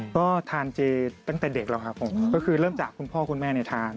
ก็ทานเจตั้งแต่เด็กแล้วครับผมก็คือเริ่มจากคุณพ่อคุณแม่ทาน